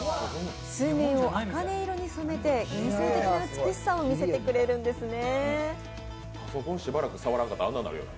水面を茜色に染めて幻想的な美しさも見せてくれるんですね。